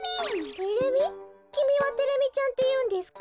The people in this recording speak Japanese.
きみはテレミちゃんっていうんですか？